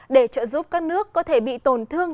để trợ giúp các nước có thể bị tổn thương